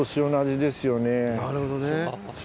なるほどね。